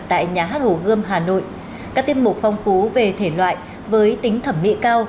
tại nhà hát hồ gươm hà nội các tiêm mục phong phú về thể loại với tính thẩm mỹ cao